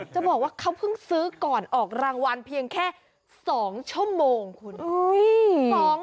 จะบอกว่าเขาเพิ่งซื้อก่อนออกรางวัลเพียงแค่๒ชั่วโมงคุณ